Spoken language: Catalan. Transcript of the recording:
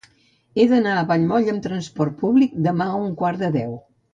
He d'anar a Vallmoll amb trasport públic demà a un quart de deu.